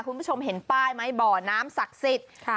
คุณผู้ชมเห็นป้ายไหมบ่อน้ำศักดิ์สิทธิ์